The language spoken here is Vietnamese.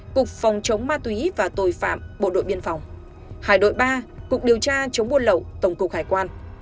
cục phòng chống ma túy và tội phạm bộ đội biên phòng hải đội ba cục điều tra chống buôn lậu tổng cục hải quan